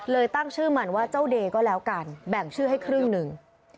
ตั้งชื่อมันว่าเจ้าเดย์ก็แล้วกันแบ่งชื่อให้ครึ่งหนึ่ง